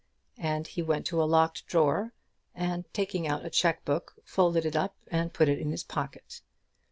And he went to a locked drawer, and taking out a cheque book, folded it up and put it into his pocket.